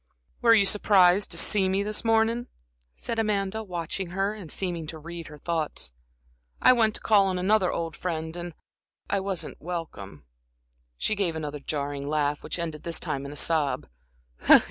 "Were you surprised to see me this morning?" said Amanda, watching her and seeming to read her thoughts. "I went to call on another old friend, and I wasn't welcome" she gave another jarring laugh, which ended this time in a sob.